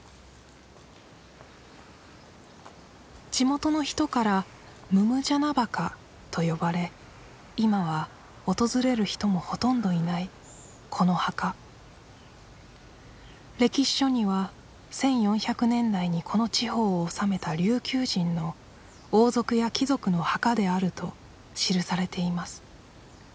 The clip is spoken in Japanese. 地元の人から百按司墓と呼ばれ今は訪れる人もほとんどいないこの墓歴史書には１４００年代にこの地方を治めた琉球人の王族や貴族の墓であると記されています